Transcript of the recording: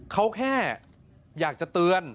เขาแค่อยากจะเตือน